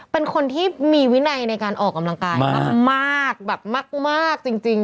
เป็นคนที่มีวินัยในการออกกำลังกายมากแบบมากจริง